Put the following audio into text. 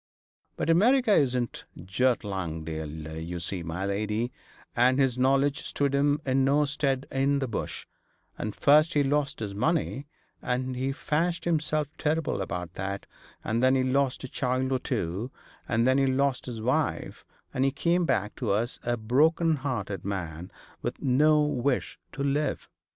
But America isn't Gert Langdale, you see, my lady, and his knowledge stood him in no stead in the Bush; and first he lost his money, and he fashed himself terrible about that, and then he lost a child or two, and then he lost his wife, and he came back to us a broken hearted man, with no wish to live.